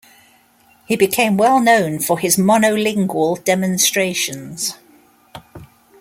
He became well known for his "monolingual demonstrations".